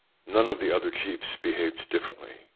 None of the other chiefs behaved differ ently.